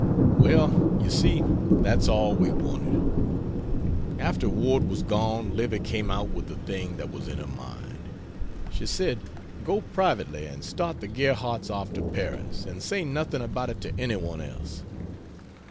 Well, you see, that's all we wanted. After Ward was gone Livy came out with the thing that was in her mind. She said, "Go privately and start the Gerhardts off to Paris, and say nothing about it to any one else."